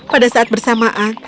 pada saat bersamaan